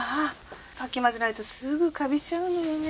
かき混ぜないとすぐカビちゃうのよね